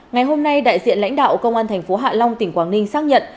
ngày hôm nay đại diện lãnh đạo công an tp hạ long tỉnh quảng ninh xác nhận